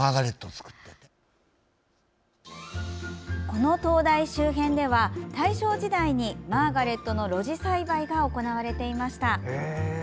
この灯台周辺では大正時代にマーガレットの露地栽培が行われていました。